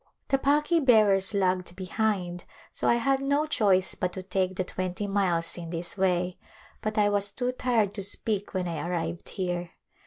The palki bearers lagged behind, so I had no choice but to take the twenty miles in this way, but I was too tired to speak when I arrived here.